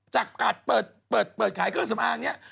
จากการเปิดขายเครื่องสำอางเนี่ย